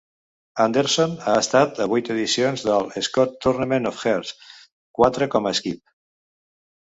Anderson ha estat a vuit edicions del Scott Tournament of Hearts, quatre com a skip.